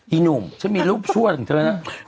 อีหนุ่มฉันมีรูปชั่วของเธอนะ